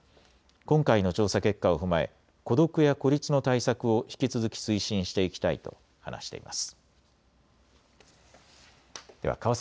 今回の調査結果を踏まえ孤独や孤立の対策を引き続き推進していきたいと話しています。